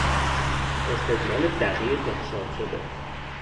استدلال دقیق و حساب شده